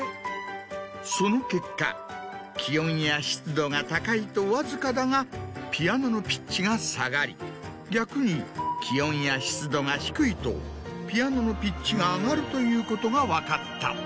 その結果気温や湿度が高いとわずかだがピアノのピッチが下がり逆に気温や湿度が低いとピアノのピッチが上がるということが分かった。